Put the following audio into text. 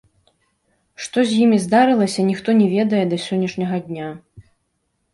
Што з імі здарылася, ніхто не ведае да сённяшняга дня.